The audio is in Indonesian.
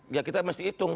ya kita mesti hitung